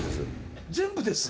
「全部です」？